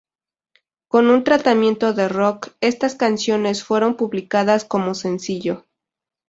Con un tratamiento de "rock", estas canciones fueron publicadas como sencillo.